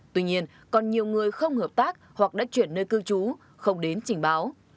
tuy nhiên còn nhiều người không hợp tác hoặc đã chuyển nơi cư trú không đến trình báo